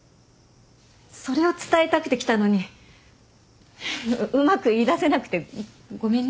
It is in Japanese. それを伝えたくて来たのにうまく言い出せなくてごめんね。